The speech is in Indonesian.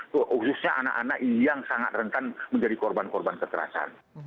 khususnya anak anak yang sangat rentan menjadi korban korban kekerasan